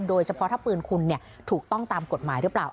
โดยเฉพาะถ้าปืนคุณถูกต้องตามกฎหมายหรือเปล่า